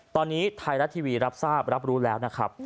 ตอนนี้ไทยรัฐทีวีรับทราบรับรู้แล้วนะครับ